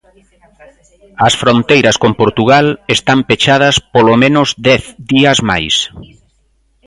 As fronteiras con Portugal están pechadas polo menos dez días máis.